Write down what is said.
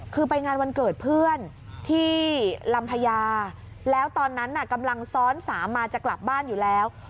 คือไปงานวันเกิดเพื่อนที่ลำพญาแล้วตอนนั้นน่ะกำลังซ้อนสามมาจะกลับบ้านอยู่แล้ว